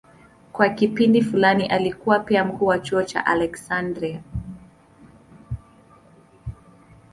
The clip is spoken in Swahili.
Kwa kipindi fulani alikuwa pia mkuu wa chuo cha Aleksandria.